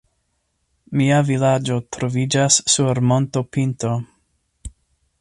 Mia vilaĝo troviĝas sur montopinto.